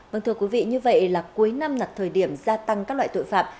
vâng thưa quý vị như vậy là cuối năm là thời điểm gia tăng các loại tội phạm